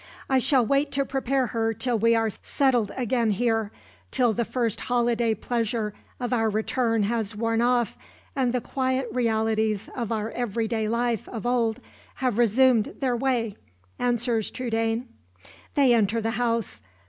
"I shall wait to prepare her till we are settled again here till the first holiday pleasure of our return has worn off, and the quiet realities of our every day life of old have resumed their way," answers Trudaine. They enter the house.